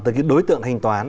từ cái đối tượng hành toán